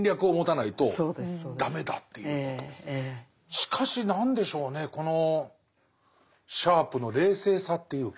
しかしなんでしょうねこのシャープの冷静さっていうか。